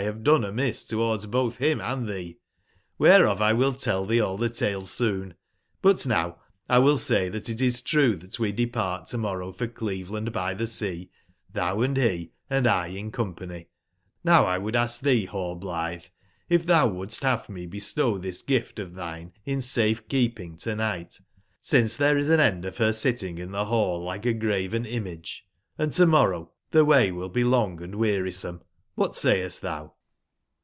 have done a miss towards both him and thee. CHhereof 1 will tell thee all thetale soon. ButnowXwillsaythatitis true that we depart to/morrow for Cleveland by the Sea, thou and he, andlin company. JVowlwould ask thee, Hallblithcif thou woulclst have me bestow this gift of thine in safe/ keeping to/night, since there is an endof her sitting in the hall like a graven image: and to/morrow the way will be long & wearisome. OThat sayest thou